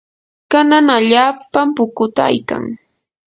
kanan allaapam pukutaykan.